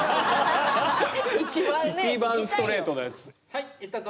一番ストレートなやつ。